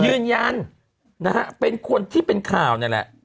ยืนยันนะฮะเป็นคนที่เป็นข่าวนี่แหละ